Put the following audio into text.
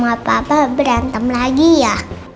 mama sama papa berantem lagi ya